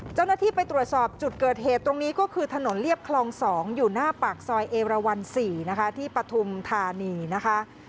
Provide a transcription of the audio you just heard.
เจ้าหน้าที่ไปตรวจสอบจุดเกิดเหตุตรงนี้ก็คือถนนเรียบคลอง๒อยู่หน้าปากซอยเอราวัน๔นะคะที่ปฐุมธานีนะคะ